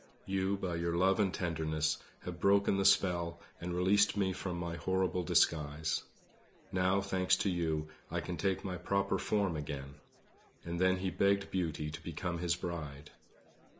You, by your love and tenderness, have broken the spell and released me from my horrible disguise. Now, thanks to you, I can take my proper form again." And then he begged Beauty to become his bride.